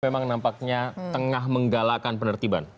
memang nampaknya tengah menggalakkan penertiban